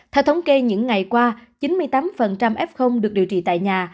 theo thống kê những ngày qua chín mươi tám f được điều trị tại nhà